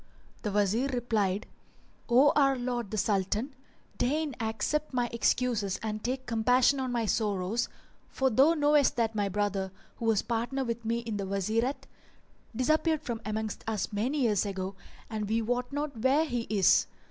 The Wazir replied, "O our lord the Sultan, deign accept my excuses and take compassion on my sorrows, for thou knowest that my brother, who was partner with me in the Wazirate, disappeared from amongst us many years ago and we wot not where he is.